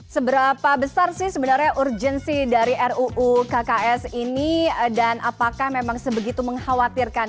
seberapa besar sih sebenarnya urgensi dari ruu kks ini dan apakah memang sebegitu mengkhawatirkan